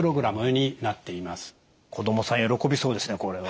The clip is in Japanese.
子どもさん喜びそうですねこれは。